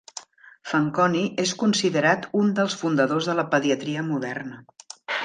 Fanconi és considerat un dels fundadors de la pediatria moderna.